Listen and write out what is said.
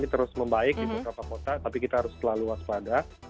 terus membaik di beberapa kota tapi kita harus selalu waspada